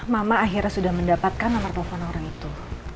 mama akhirnya sudah mendapatkan nomor telepon orang itu